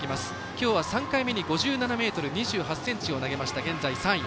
今日は３回目に５７ｍ２８ｃｍを投げまして現在、３位。